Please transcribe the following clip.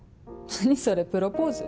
何それプロポーズ？